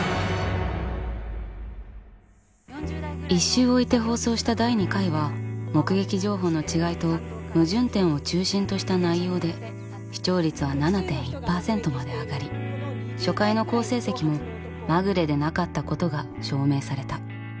１週置いて放送した第２回は目撃情報の違いと矛盾点を中心とした内容で視聴率は７．１％まで上がり初回の好成績もまぐれでなかったことが証明された。